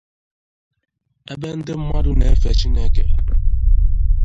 ebe ndị mmadụ na-efe Chineke